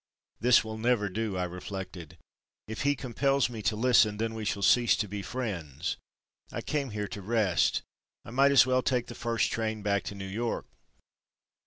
"This will never do," I reflected. "If he compels me to listen—then we shall cease to be friends—I came here to rest. I might as well take the first train back to New York!"